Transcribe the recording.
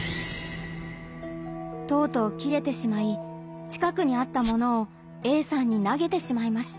とうとうキレてしまい近くにあった物をＡさんになげてしまいました。